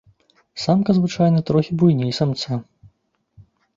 Самка звычайна трохі буйней самца.